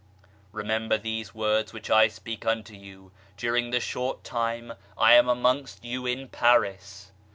Remember these words which I speak unto you, during the short time I am amongst you in Paris.